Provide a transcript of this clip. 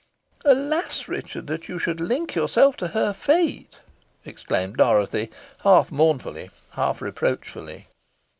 "Alas! Richard, that you should link yourself to her fate!" exclaimed Dorothy, half mournfully, half reproachfully.